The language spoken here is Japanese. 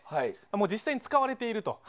もう実際に使われていると。